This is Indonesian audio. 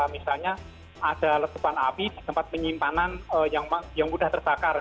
misalnya ada letupan api di tempat penyimpanan yang mudah terbakar